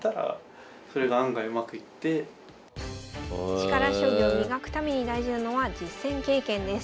力将棋を磨くために大事なのは実戦経験です。